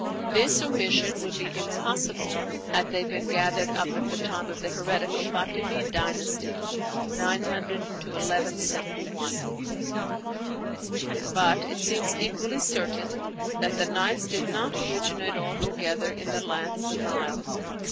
This omission would be impossible had they been gathered up at the time of the heretical Fatimide dynasty (900 1171). But it seems equally certain that the 'Nights' did not originate altogether in the land of the Nile.